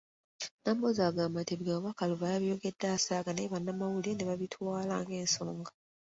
Nambooze agamba nti ebigambo Bakaluba yabyogedde asaaga naye bannamawulire ne babitwala ng'ensonga.